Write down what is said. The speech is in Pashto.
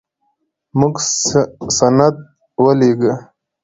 موږ سند ولېږه.